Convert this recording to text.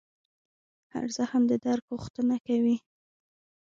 هر زخم د درک غوښتنه کوي.